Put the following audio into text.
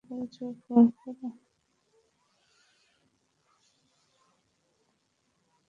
চুপ কর, চুপ কর।